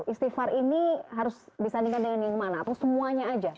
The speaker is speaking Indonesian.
istighfar ini harus disandingkan dengan yang mana atau semuanya aja